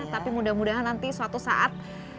tapi mudah mudahan nanti suatu saat